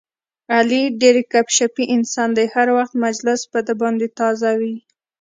علي ډېر ګپ شپي انسان دی، هر وخت مجلس په ده باندې تازه وي.